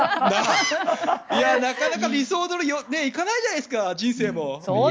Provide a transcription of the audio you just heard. なかなか理想どおりいかないじゃないですか人生も。